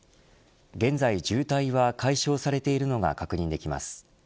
現在渋滞は解消されているのが確認できます。